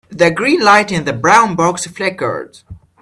The green light in the brown box flickered.